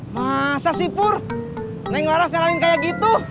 masa sih pur neng laras nyalahin kayak gitu